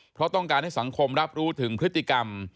เพราะต้องการให้สังคมรับรู้ถึงพฤติกรรม